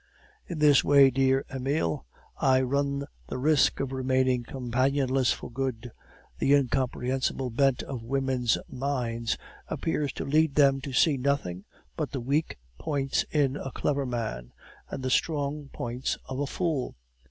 "In this way, dear Emile, I ran the risk of remaining companionless for good. The incomprehensible bent of women's minds appears to lead them to see nothing but the weak points in a clever man, and the strong points of a fool.